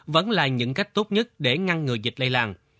vẫn là những cách tốt nhất để ngăn ngừa dịch lây lan